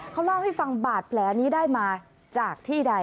เขาเล่าให้ฟังบาดแผลนี้ได้มาจากที่ใด